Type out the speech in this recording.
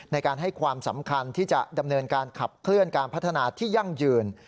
ในการให้ความสำคัญที่จะดำเนินการขับเคลื่อนการพัฒนาที่ยั่งยืน